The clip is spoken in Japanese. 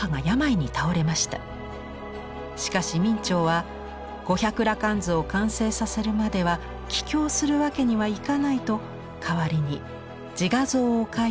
しかし明兆は「五百羅漢図」を完成させるまでは帰郷するわけにはいかないと代わりに自画像を描いて母に送ったのです。